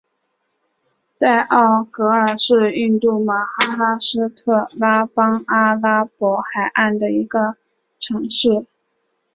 代奥格尔是印度马哈拉施特拉邦阿拉伯海岸的一个城市。